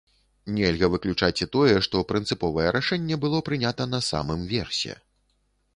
Нельга выключаць і тое, што прынцыповае рашэнне было прынята на самым версе.